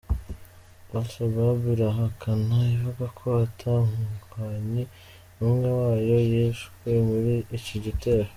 Al-Shabab irahakana ivuga ko ata mugwanyi numwe wayo yishwe muri ici gitero.